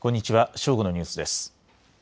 正午のニュースです。